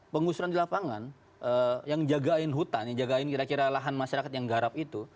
pengusuran di lapangan yang jagain hutan yang jagain kira kira lahan masyarakat yang garap itu